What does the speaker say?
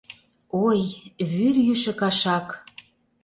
Ой, вӱрйӱшӧ кашак!